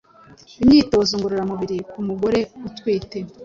imyitozo ngororamubiri ku mugore utwite